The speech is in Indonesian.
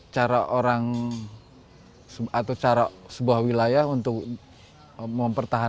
cara orang atau cara sebuah wilayah untuk mempertahankan